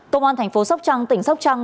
công an thành phố sóc trăng tỉnh sóc trăng